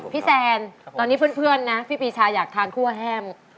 แซนตอนนี้เพื่อนนะพี่ปีชาอยากทานคั่วแห้ม